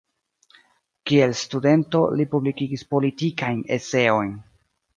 Kiel studento li publikigis politikajn eseojn.